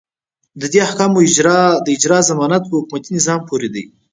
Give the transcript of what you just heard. د دې احکامو اجرا ضمانت په حکومتي نظام پورې ده.